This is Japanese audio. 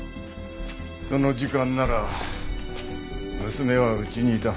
その時間なら娘は家にいた。